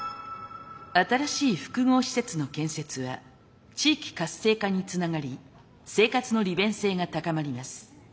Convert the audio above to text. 新しい複合施設の建設は地域活性化につながり生活の利便性が高まります。